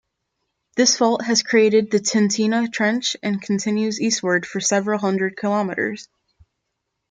This fault has created the Tintina Trench and continues eastward for several hundred kilometres.